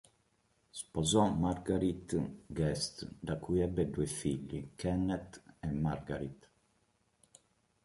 Sposò Marguerite Guest, da cui ebbe due figli, Kenneth e Marguerite.